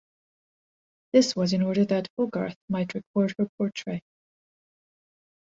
This was in order that Hogarth might record her portrait.